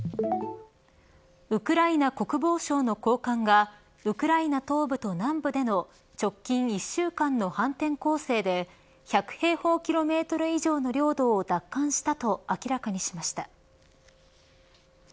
ウクライナ国防省の高官がウクライナ東部と南部での直近１週間の反転攻勢で１００平方キロメートル以上の領土を奪還したと明らかにしました。